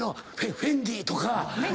フェンディとか。